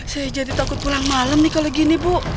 saya jadi takut pulang malam nih kalau gini bu